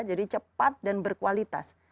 jadi cepat dan berkualitas